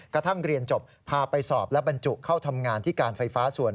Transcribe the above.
กระทั่งเรียนจบพาไปสอบและบรรจุเข้าทำงานที่การไฟฟ้าส่วน